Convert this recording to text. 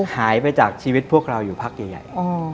หายไปจากชีวิตพวกเราอยู่พักใหญ่